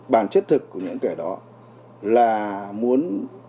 bản chất thực của những kẻ đó là muốn